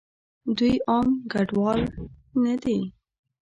دوئ عام کډوال نه دي.